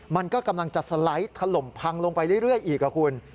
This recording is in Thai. มันก็กำลังจะสไลด์ถล่มพังลงไปเรื่อยอีกครับคุณ